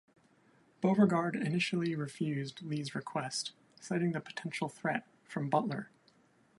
Beauregard initially refused Lee's request, citing the potential threat from Butler.